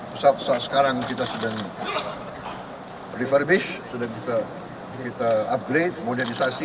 pesawat pesawat sekarang kita sedang reverse sudah kita upgrade modernisasi